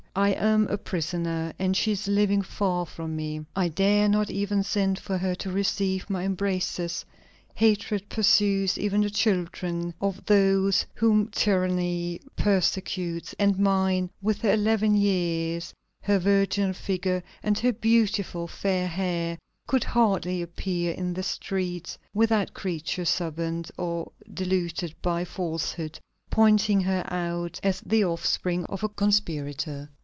I am a prisoner, and she is living far from me! I dare not even send for her to receive my embraces; hatred pursues even the children of those whom tyranny persecutes, and mine, with her eleven years, her virginal figure, and her beautiful fair hair, could hardly appear in the streets without creatures suborned or deluded by falsehood pointing her out as the offspring of a conspirator.